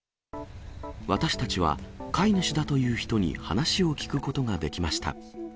私たちは、飼い主だという人に話を聞くことができました。